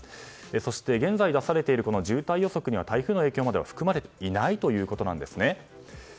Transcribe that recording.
そして現在出されている渋滞予測には台風の影響までは含まれていないということです。